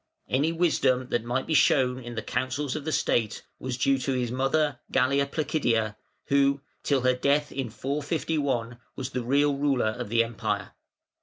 Any wisdom that might be shown in the councils of the State was due to his mother, Galla Placidia, who, till her death in 451, was the real ruler of the Empire.